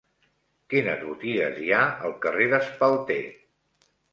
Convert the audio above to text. Quines botigues hi ha al carrer d'Espalter?